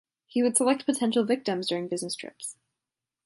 He would select potential victims during business trips.